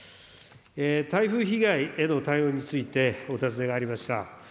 台風被害への対応について、お尋ねがありました。